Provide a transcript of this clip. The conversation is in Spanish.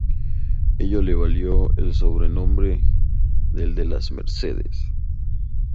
Ello le valió el sobrenombre de "el de las Mercedes".